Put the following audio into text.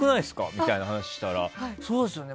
みたいな話したらそうですよね。